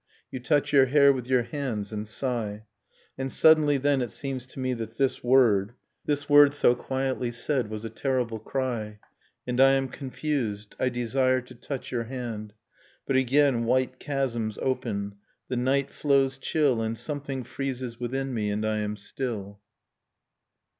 You touch your hair with your hands, and sigh. And suddenly then it seems to me that this word, Nocturne of Remembered Spring This word so quietly said, was a terrible cry ... And I am confused, I desire to touch your hand, But again white chasms open, the night flows chill, And something freezes within me, and I am still.